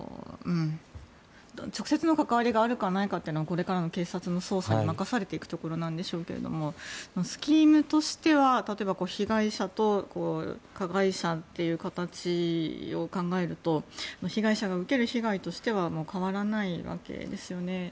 直接の関わりがあるかないかはこれからの警察の捜査に任されていくところなんでしょうがスキームとしては例えば被害者と加害者という形を考えると被害者が受ける被害としては変わらないわけですよね。